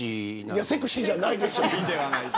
いやセクシーじゃないでしょ。